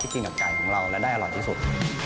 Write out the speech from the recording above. กินกับไก่ของเราและได้อร่อยที่สุด